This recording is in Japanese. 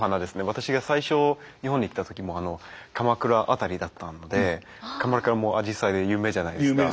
私が最初日本に来た時も鎌倉辺りだったので鎌倉もあじさいが有名じゃないですか。